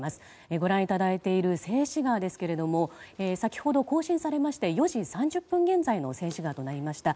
ご覧いただいている静止画ですが先ほど更新されまして４時３０分時点の静止画となりました。